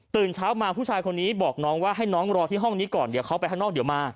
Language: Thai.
เช้ามาผู้ชายคนนี้บอกน้องว่าให้น้องรอที่ห้องนี้ก่อนเดี๋ยวเขาไปข้างนอกเดี๋ยวมา